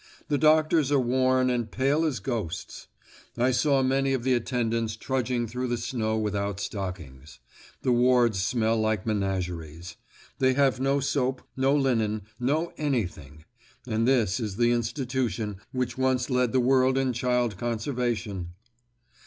The doctors are worn and pale as ghosts. I saw many of the attendants trudging through the snow without stockings. The wards smell like menageries. They have no soap, no linen, no anything. And this is the institution which once led the world in child conservation!